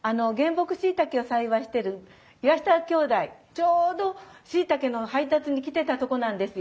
ちょうどしいたけの配達に来てたとこなんですよ。